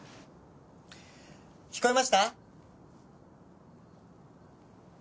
聞こえました？